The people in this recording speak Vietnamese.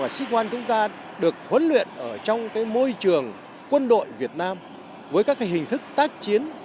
sĩ quan chúng ta được huấn luyện ở trong môi trường quân đội việt nam với các hình thức tác chiến